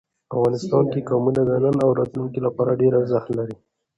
افغانستان کې قومونه د نن او راتلونکي لپاره ډېر ارزښت لري.